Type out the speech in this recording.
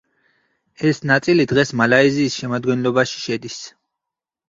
ეს ნაწილი დღეს მალაიზიის შემადგენლობაში შედის.